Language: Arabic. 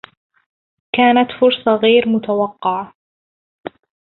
كانت فرصة غير متوقعة.